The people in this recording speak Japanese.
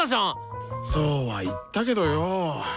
そうは言ったけどよ。